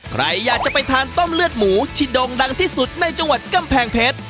ใครอยากจะไปทานต้มเลือดหมูที่โด่งดังที่สุดในจังหวัดกำแพงเพชร